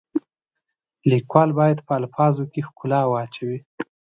لیکوال باید په الفاظو کې ښکلا واچوي.